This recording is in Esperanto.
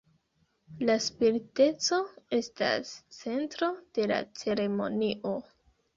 La spiriteco estas centro de la ceremonio.